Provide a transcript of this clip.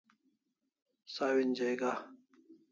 Sawin jaiga